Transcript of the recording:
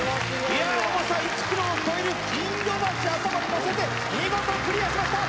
いやあ重さ１ｋｇを超える金魚鉢頭にのせて見事クリアしました！